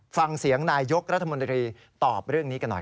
ฟังเสียงนายยกรัฐมนตรีตอบเรื่องนี้กันหน่อย